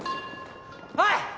おい！